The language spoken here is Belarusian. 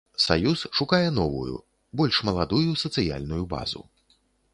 Саюз шукае новую, больш маладую сацыяльную базу.